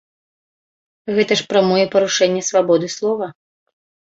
Гэта ж прамое парушэнне свабоды слова.